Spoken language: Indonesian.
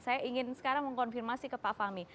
saya ingin sekarang mengkonfirmasi ke pak fahmi